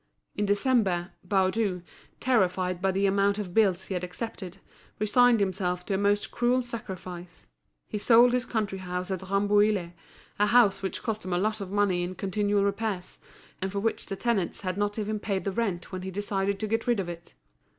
In December, Baudu, terrified by the amount of the bills he had accepted, resigned himself to a most cruel sacrifice: he sold his country house at Rambouillet, a house which cost him a lot of money in continual repairs, and for which the tenants had not even paid the rent when he decided to get rid of it.